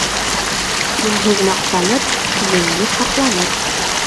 Йүнһеҙ маҡтаныр, йүнле һаҡланыр.